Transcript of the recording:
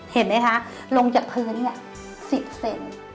เห็นไหมคะลงจากพื้นเนี่ย๑๐เซน